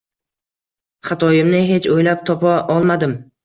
Xatoimni hech o`ylab topa olmadim